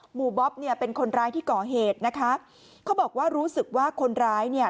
บ๊อบเนี่ยเป็นคนร้ายที่ก่อเหตุนะคะเขาบอกว่ารู้สึกว่าคนร้ายเนี่ย